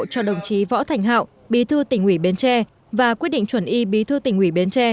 cho đồng chí võ thành hạo bí thư tỉnh ủy bến tre và quyết định chuẩn y bí thư tỉnh ủy bến tre